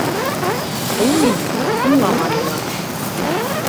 Ул мине тыңламаны ла: